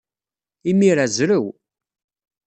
Imir-a, zrew.